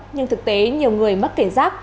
nhưng thực tế nhiều người mất kiểm soát